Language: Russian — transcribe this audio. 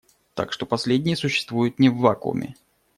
Так что последние существуют не в вакууме.